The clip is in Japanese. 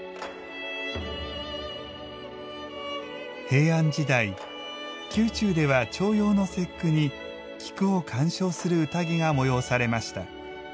平安時代宮中では重陽の節句に菊を鑑賞する宴が催されました。